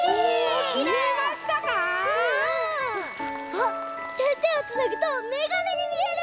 あってんてんをつなぐとメガネにみえる！